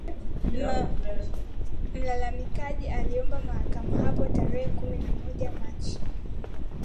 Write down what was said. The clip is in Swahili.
Mlalamikaji aliomba mahakama hapo tarehe kumi na moja Machi